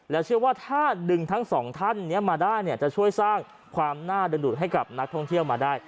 เชื่อว่าถ้าดึงทั้งสองท่านนี้มาได้เนี่ยจะช่วยสร้างความน่าเดินดูดให้กับนักท่องเที่ยวมาได้